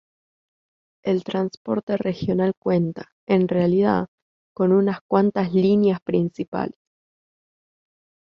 El transporte regional cuenta, en realidad, con unas cuantas líneas principales.